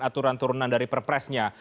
aturan turunan dari perpresnya